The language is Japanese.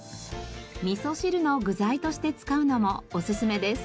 みそ汁の具材として使うのもおすすめです。